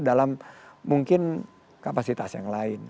dalam mungkin kapasitas yang lain